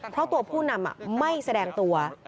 เพราะตัวผู้นำไม่แสดงตัว